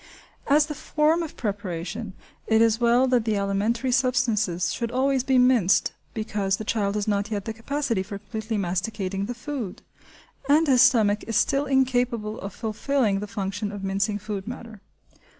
As for the form of preparation, it is well that the alimentary substances should always be minced, because the child has not yet the capacity for completely masticating the food, and his stomach is still incapable of fulfilling the function of mincing food matter.